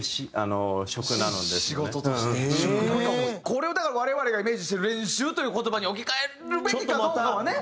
これをだから我々がイメージしてる「練習」という言葉に置き換えるべきかどうかはね。